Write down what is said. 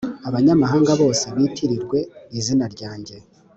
abanyamahanga bose bitirirwe izina ryanjye